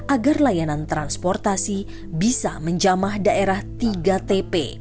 agar layanan transportasi bisa menjamah daerah tiga tp